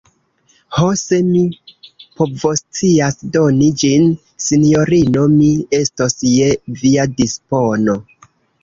Ho, se mi povoscias doni ĝin, sinjorino, mi estos je via dispono.